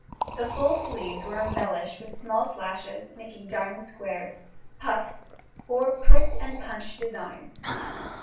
The full sleeves were embellished with small slashes (making diamond squares), puffs, or pricked and punched designs.